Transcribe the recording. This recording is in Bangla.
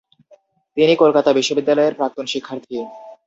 তিনি কলকাতা বিশ্ববিদ্যালয়ের প্রাক্তন শিক্ষার্থী।